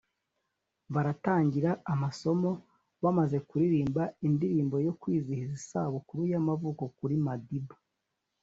baratangira amasomo bamaze kuririmba indirimbo yo kwizihiza isabukuru y’amavuko kuri Madiba